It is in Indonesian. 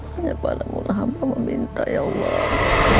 hanya padamu lah hamba meminta ya allah